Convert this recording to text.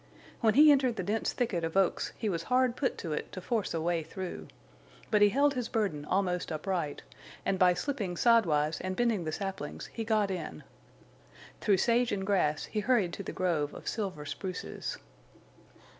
When he entered the dense thicket of oaks he was hard put to it to force a way through. But he held his burden almost upright, and by slipping side wise and bending the saplings he got in. Through sage and grass he hurried to the grove of silver spruces.